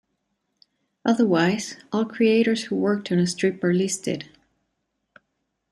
Otherwise, all creators who worked on a strip are listed.